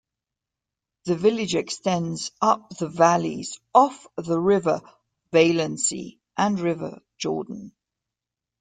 The village extends up the valleys of the River Valency and River Jordan.